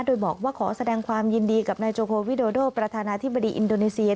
โดยบอกว่าขอแสดงความยินดีกับนายโจโฮวิโดโดประธานาธิบดีอินโดนีเซีย